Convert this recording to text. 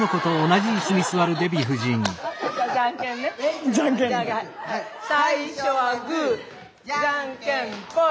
じゃんけんぽい！